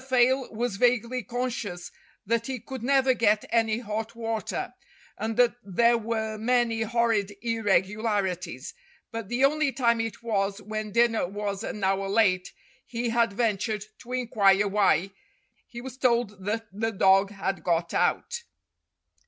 Fayle was vaguely conscious that he could never get any hot water, and that there were many horrid irregularities; but the only time it was when dinner was an hour late he had ventured to inquire why, he was told that the dog had got out.